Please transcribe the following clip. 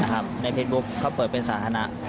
ตอนนี้เขาเปิดเป็นศาษัทรรณะ